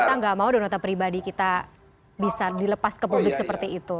kita nggak mau dan nota pribadi kita bisa dilepas ke publik seperti itu